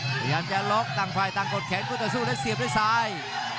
พยายามจะล็อกต่างฝ่ายต่างกดแขนคู่ต่อสู้และเสียบด้วยซ้าย